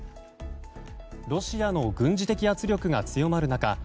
ロシアの軍事的圧力が強まる中